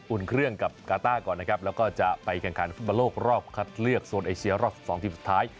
เครื่องกับกาต้าก่อนนะครับแล้วก็จะไปแข่งขันฟุตบอลโลกรอบคัดเลือกโซนเอเชียรอบ๑๒ทีมสุดท้าย